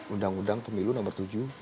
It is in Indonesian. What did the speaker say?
undang undang pemilu nomor tujuh